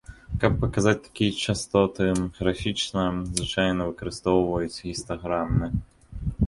Каб паказаць такія частоты графічна, звычайна выкарыстоўваюць гістаграмы.